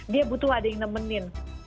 dia butuh ada yang nemenin